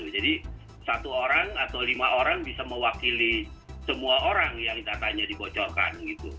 jadi satu orang atau lima orang bisa mewakili semua orang yang datanya dibocorkan